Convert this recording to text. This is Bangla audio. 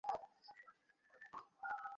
কিন্তু আমাকে বলতে হবে না।